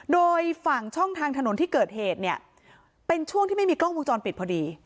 โดยฝั่งช่องทางถนนที่เกิดเหตุเนี่ยเป็นช่วงที่ไม่มีกล้องวงจรปิดพอดี